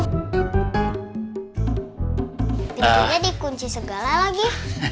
tentunya dikunci segala lagi